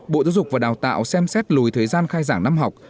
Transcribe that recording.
bộ giáo dục và đào tạo xem xét lùi thời gian khai giảng năm học